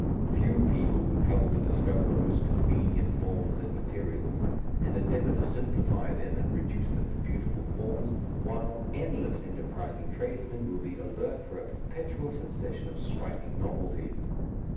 Few people will trouble to discover the most convenient forms and materials, and endeavour to simplify them and reduce them to beautiful forms, while endless enterprising tradesmen will be alert for a perpetual succession of striking novelties.